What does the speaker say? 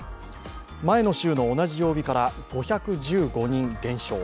前の週の同じ曜日から５１５人減少